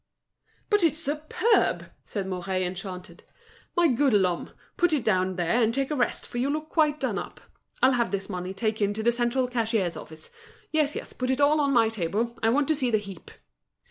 "But it's superb!" said Mouret, enchanted. "My good Lhomme, put it down there, and take a rest, for you look quite done up. I'll have this money taken to the central cashier's office. Yes, yes, put it all on my table, I want to see the heap."